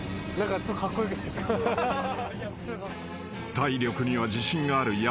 ［体力には自信がある山本アナ］